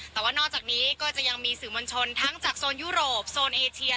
แต่ว่านอกจากนี้ก็จะยังมีสื่อมวลชนทั้งจากโซนยุโรปโซนเอเชีย